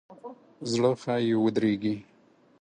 زړه ښایي ودریږي.